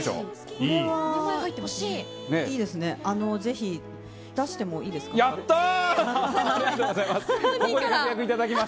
いいですね、ぜひ、出してもいいやったー！